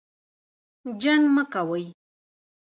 جنګ مه کوئ